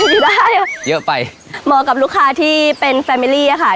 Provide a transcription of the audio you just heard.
อยู่ได้เยอะไปเหมาะกับลูกค้าที่เป็นแฟมิลี่อ่ะค่ะ